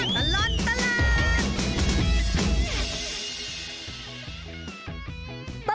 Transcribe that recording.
ช่วงตลอดตลาด